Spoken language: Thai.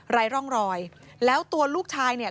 ไร้ร่องรอยแล้วตัวลูกชายเนี่ย